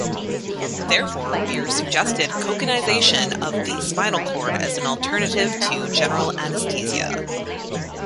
Therefore, Bier suggested "cocainization" of the spinal cord as an alternative to general anesthesia.